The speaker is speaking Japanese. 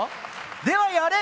ではやれ！